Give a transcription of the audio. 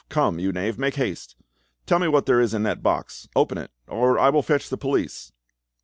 Come, you knave, make haste. Tell me what there is in that box; open it, or I will fetch the police."